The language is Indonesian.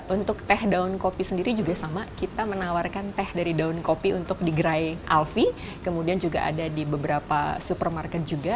untuk teh daun kopi sendiri juga sama kita menawarkan teh dari daun kopi untuk di gerai alfie kemudian juga ada di beberapa supermarket juga